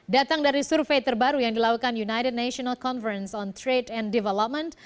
datang dari survei terbaru yang dilakukan united national conference on trade and development